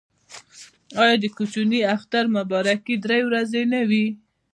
آیا د کوچني اختر مبارکي درې ورځې نه وي؟